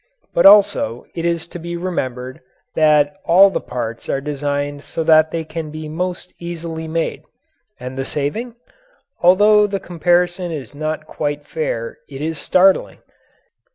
But also it is to be remembered that all the parts are designed so that they can be most easily made. And the saving? Although the comparison is not quite fair, it is startling.